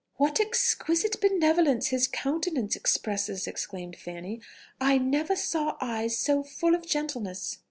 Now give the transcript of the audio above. "What exquisite benevolence his countenance expresses!" exclaimed Fanny: "I never saw eyes so full of gentleness."